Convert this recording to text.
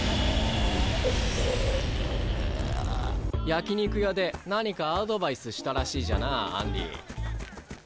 焼き肉屋で何かアドバイスしたらしいじゃな杏里。